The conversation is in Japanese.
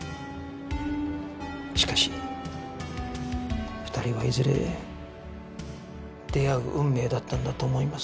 しかし２人はいずれ出会う運命だったんだと思います。